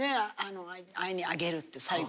「ＡＩにあげる」って最後。